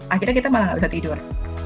akhirnya kita malah gak bisa tidur